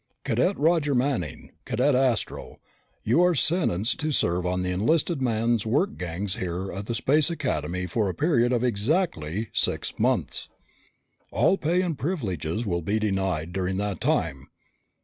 Cadet Roger Manning, Cadet Astro, you are sentenced to serve on the enlisted man's work gangs here at Space Academy for a period of exactly six months. All pay and privileges to be denied during that time.